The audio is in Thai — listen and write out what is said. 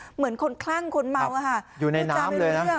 เหมือนคนคลั่งคนเมามั้งพูดจ้าไม่รู้เรื่องใช่อยู่ในน้ำเลยนะ